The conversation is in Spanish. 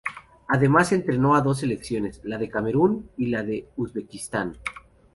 Además entrenó a dos selecciones, la de Camerún y la de Uzbekistán.